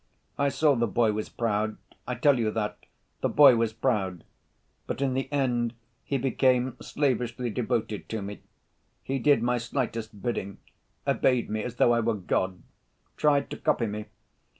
I saw the boy was proud. I tell you that, the boy was proud; but in the end he became slavishly devoted to me: he did my slightest bidding, obeyed me as though I were God, tried to copy me.